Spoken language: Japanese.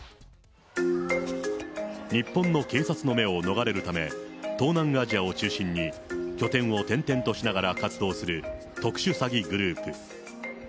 日本の警察の目を逃れるため、東南アジアを中心に拠点を転々としながら活動する特殊詐欺グループ。